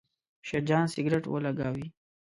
شیرجان سګرېټ ولګاوې.